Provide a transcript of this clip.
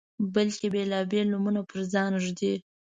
بلکې بیلابیل نومونه په ځان ږدي